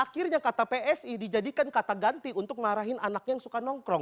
akhirnya kata psi dijadikan kata ganti untuk ngarahin anaknya yang suka nongkrong